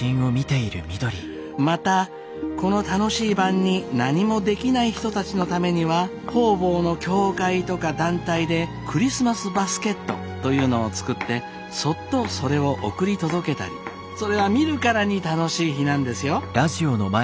またこの楽しい晩に何もできない人たちのためには方々の教会とか団体でクリスマスバスケットというのを作ってそっとそれを送り届けたりそれは見るからに楽しい日なんですよ。